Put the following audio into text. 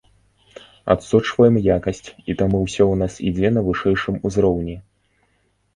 Адсочваем якасць, і таму ўсё у нас ідзе на вышэйшым узроўні.